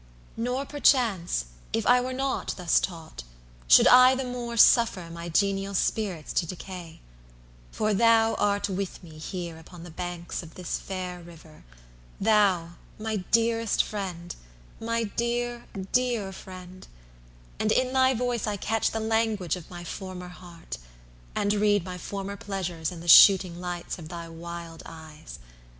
Nor perchance, If I were not thus taught, should I the more Suffer my genial spirits to decay: For thou art with me here upon the banks Of this fair river; thou my dearest Friend, My dear, dear Friend; and in thy voice I catch The language of my former heart, and read My former pleasures in the shooting lights Of thy wild eyes.